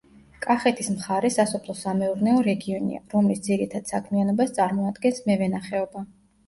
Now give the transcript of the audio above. კახეთის მხარე სასოფლო–სამეურნეო რეგიონია, რომლის ძირითად საქმიანობას წარმოადგენს მევენახეობა.